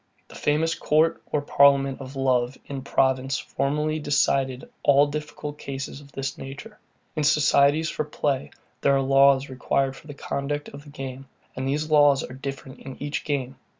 The famous court or parliament of love in Provence formerly decided all difficult cases of this nature. In societies for play, there are laws required for the conduct of the game; and these laws are different in each game.